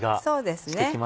そうですね。